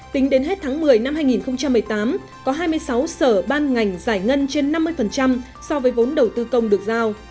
tính đến hết tháng một mươi năm hai nghìn một mươi tám có hai mươi sáu sở ban ngành giải ngân trên năm mươi so với vốn đầu tư công được giao